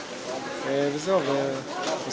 dan itu saja